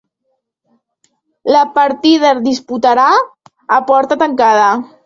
La partida es disputarà a porta tancada.